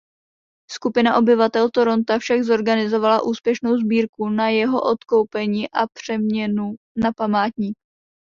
Skupina obyvatel Toronta však zorganizovala úspěšnou sbírku na jeho odkoupení a přeměnu na památník.